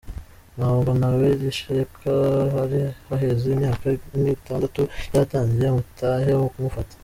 Ntabo Ntaberi Sheka, hari haheze imyaka nk'itandatu yaratangiwe umutahe wo kumufata.